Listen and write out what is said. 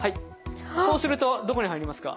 そうするとどこに入りますか？